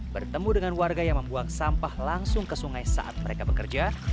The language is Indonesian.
bertemu dengan warga yang membuang sampah langsung ke sungai saat mereka bekerja